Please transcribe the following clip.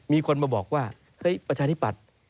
มีคนมาบอกว่าเฮ้ยประชาธิปัตย์